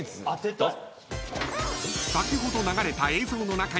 どうぞ。